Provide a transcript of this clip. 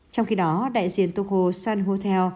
trong khi đó đại diện tosu sun hotel